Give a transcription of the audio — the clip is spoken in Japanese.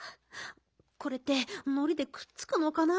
これってのりでくっつくのかな？